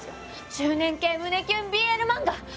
中年系胸キュンＢＬ漫画！